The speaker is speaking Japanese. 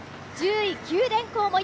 １０位、九電工。